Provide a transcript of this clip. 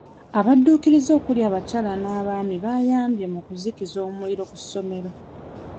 Abadduukirize okuli abakyala n'abaami bayambye mu kuzikiza omuliro ku ssomero.